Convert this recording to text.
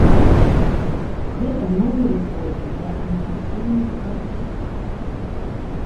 Гэта новы рэкорд для анімацыйных карцін.